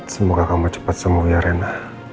semoga kamu cepat sembuh ya rena